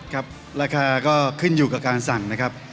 ครับราคาก็ขึ้นอยู่กับการสั่งนะครับ